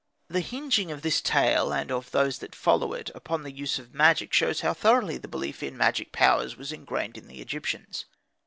The hinging of this tale, and of those that follow it, upon the use of magic, shows how thoroughly the belief in magic powers was ingrained in the Egyptians.